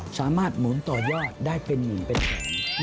สามารถหมุนต่อยอดได้เป็นหนึ่งเป็นแสน